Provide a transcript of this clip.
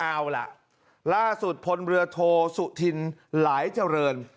เอาล่ะล่าสุดพลเรือโทสุธินหลายเจริญ